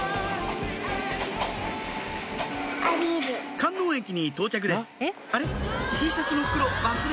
観音駅に到着ですあれ？